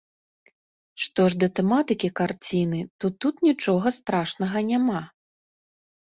Што ж да тэматыкі карціны, то тут нічога страшнага няма.